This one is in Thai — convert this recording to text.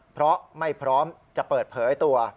เพราะไม่พร้อมจะเปิดเผยตัว